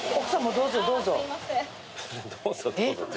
どうぞどうぞって。